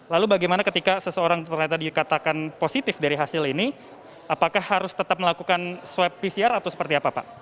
lalu bagaimana ketika seseorang ternyata dikatakan positif dari hasil ini apakah harus tetap melakukan swab pcr atau seperti apa pak